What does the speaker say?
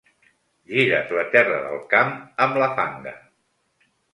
Gires la terra del camp amb la fanga.